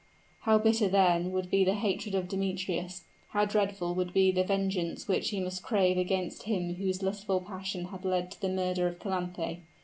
How bitter, then, would be the hatred of Demetrius how dreadful would be the vengeance which he must crave against him whose lustful passion had led to the murder of Calanthe.